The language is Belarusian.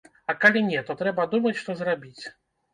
А калі не, то трэба думаць, што зрабіць.